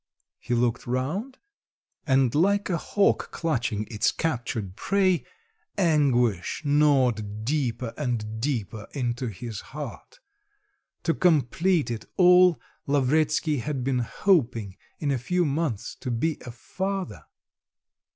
He looked round, and like a hawk clutching its captured prey, anguish gnawed deeper and deeper into his heart. To complete it all Lavretsky had been hoping in a few months to be a father....